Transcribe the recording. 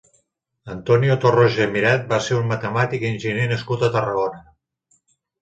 Antonio Torroja i Miret va ser un matemàtic i enginyer nascut a Tarragona.